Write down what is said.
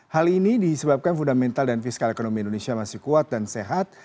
hal ini disebabkan fundamental dan fiskal ekonomi indonesia masih kuat dan sehat